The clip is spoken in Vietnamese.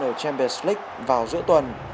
ở champions league vào giữa tuần